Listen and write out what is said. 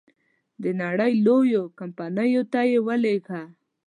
د نړی لویو کمپنیو ته یې ولېږه.